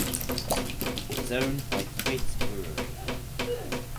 It is owned by Thwaites Brewery.